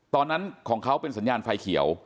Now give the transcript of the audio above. ตอนนั้นของเขาเป็นสัญญาณไฟเขียว